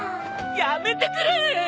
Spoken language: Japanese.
やめてくれ！